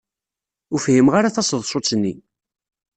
Ur fhimen ara taseḍsut-nni.